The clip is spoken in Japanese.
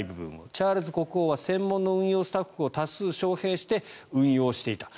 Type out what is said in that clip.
チャールズ国王は専用の運用スタッフを多数招へいして運用していた。